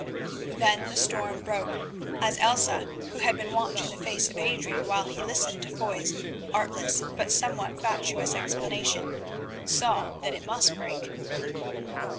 Then the storm broke, as Elsa, who had been watching the face of Adrian while he listened to Foy's artless but somewhat fatuous explanation, saw that it must break.